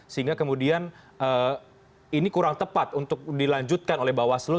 sehingga kemudian ini kurang tepat untuk dilanjutkan oleh bawaslu